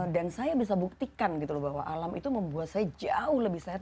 dan saya bisa buktikan bahwa alam itu membuat saya jauh lebih sehat